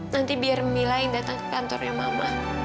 nanti biar mila yang datang ke kantornya mama